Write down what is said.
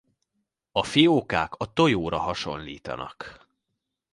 A fiókák a tojóra hasonlítanak.